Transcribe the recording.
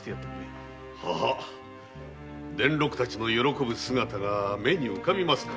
伝六たちの喜ぶ姿が目に浮かびますな